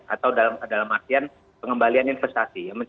atau dalam artian pengembalian investasi